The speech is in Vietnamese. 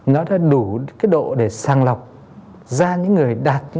nó đã đủ cái độ để sàng lọc ra những người đạt